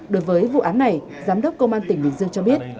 đối với vụ án này giám đốc công an tỉnh bình dương cho biết